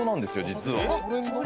実は。